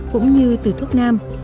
cũng như từ thuốc nam